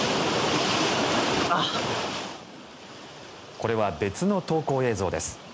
これは、別の投稿映像です。